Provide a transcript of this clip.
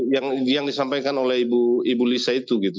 yang disampaikan oleh ibu lisa itu gitu